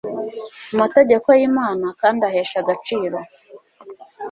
amategeko y’Imana, kandi ayahesha agaciro